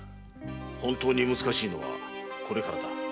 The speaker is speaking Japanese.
本当に難しいのはこれからだ。